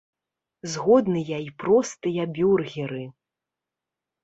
Згодныя і простыя бюргеры.